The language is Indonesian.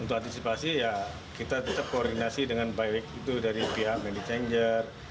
untuk antisipasi ya kita tetap koordinasi dengan baik itu dari pihak manay changer